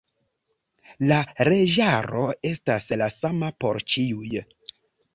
La leĝaro estas la sama por ĉiuj.